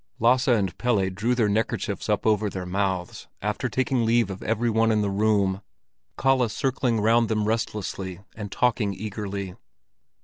Lasse and Pelle drew their neckerchiefs up over their mouths after taking leave of every one in the room, Kalle circling round them restlessly, and talking eagerly.